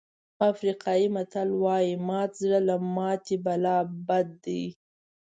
افریقایي متل وایي مات زړه له ماتې ملا بده ده.